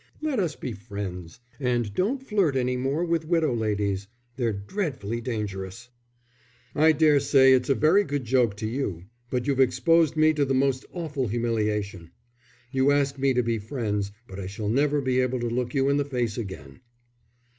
Let us be friends. And don't flirt any more with widow ladies; they're dreadfully dangerous." "I daresay it's a very good joke to you, but you've exposed me to the most awful humiliation. You ask me to be friends, but I shall never be able to look you in the face again."